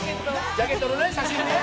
ジャケットのね写真ね。